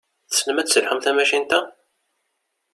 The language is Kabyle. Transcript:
Tessnem ad tesselḥum tamacint-a?